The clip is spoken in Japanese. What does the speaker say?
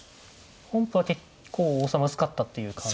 本譜は結構王様薄かったっていう感じですけど。